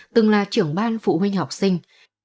từng là trưởng ban phụ huynh học sinh